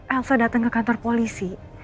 elsa datang ke kantor polisi